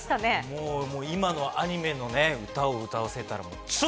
もう今のアニメのね歌を歌わせたらもう超！